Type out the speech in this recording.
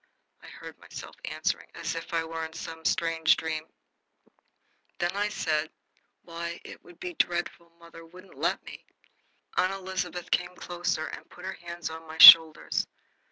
I heard myself answering, as if I were in some strange dream. Then I said: "Why, it would be dreadful! Mother wouldn't let me!" Aunt Elizabeth came closer and put her hands on my shoulders.